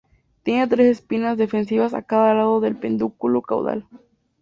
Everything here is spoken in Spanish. Tiene tres espinas defensivas a cada lado del pedúnculo caudal.